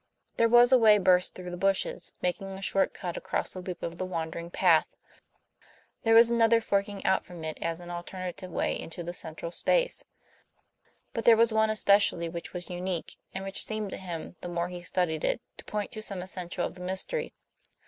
There was a way burst through the bushes, making a short cut across a loop of the wandering path; there was another forking out from it as an alternative way into the central space. But there was one especially which was unique, and which seemed to him, the more he studied it, to point to some essential of the mystery.